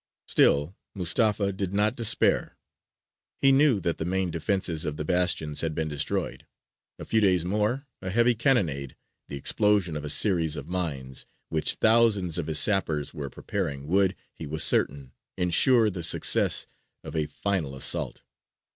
Still Mustafa did not despair. He knew that the main defences of the bastions had been destroyed a few days more, a heavy cannonade, the explosion of a series of mines which thousands of his sappers were preparing would, he was certain, ensure the success of a final assault.